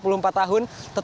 mungkin usianya hanya pelan